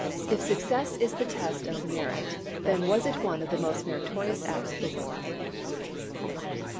If success is the test of merit, then was it one of the most meritori ous acts of the war."